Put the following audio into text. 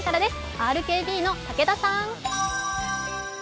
ＲＫＢの武田さん。